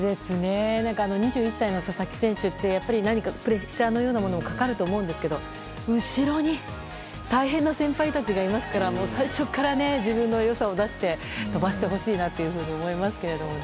２１歳の佐々木選手ってプレッシャーのようなものもかかると思いますけど後ろに大変な先輩たちがいるので最初から自分の良さを出して飛ばしてほしいなと思いますけど。